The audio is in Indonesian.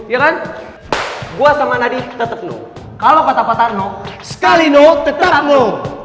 ya kan gua sama nadi tetap no kalau patah patah no sekali no tetap no